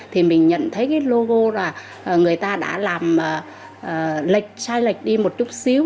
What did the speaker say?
thì mình nhận thấy cái logo là người ta đã làm lệch sai lệch đi một chút xíu